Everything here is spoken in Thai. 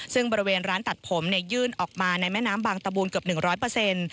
ซึ่งบริเวณร้านตัดผมเนี่ยยื่นออกมาในแม่น้ำบางตะบูนเกือบ๑๐๐เปอร์เซ็นต์